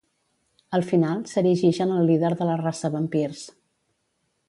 Al final, s'erigix en el líder de la raça vampirs.